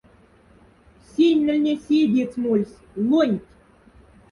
Сянь нльне седиец мольсь — лонть!